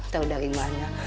tau dari mana